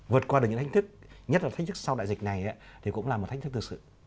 vượt qua những thách thức nhất là thách thức sau đại dịch này cũng là một thách thức thực sự